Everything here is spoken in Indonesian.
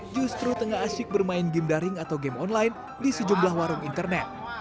justru tengah asyik bermain game daring atau game online di sejumlah warung internet